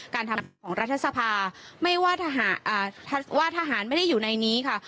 การทำของรัฐสภาไม่ว่าทหารไม่ได้อยู่ในนี้ค่ะ